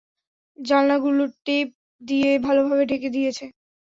জালানাগুলো tape দিয়ে ভালোভাবে ঢেকে দিয়েছি।